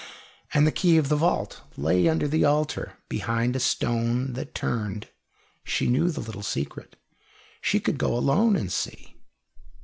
And the key of the vault lay under the altar behind a stone that turned. She knew the little secret. She could go alone and see.